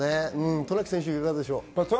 渡名喜選手はいかがでしょう？